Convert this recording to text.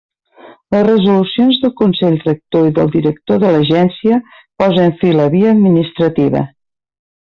Les resolucions del consell rector i del director de l'agència posen fi la via administrativa.